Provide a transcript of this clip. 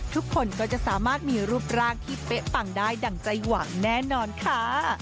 ทุกคนก็จะสามารถมีรูปร่างที่เป๊ะปังได้ดั่งใจหวังแน่นอนค่ะ